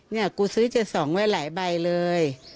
เนี่ยกูซื้อจะส่องไว้หลายใบเลย